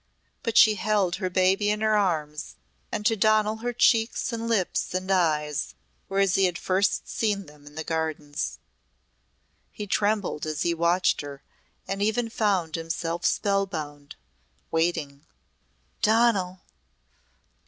But she held her baby in her arms and to Donal her cheeks and lips and eyes were as he had first seen them in the Gardens. He trembled as he watched her and even found himself spellbound waiting. "Donal!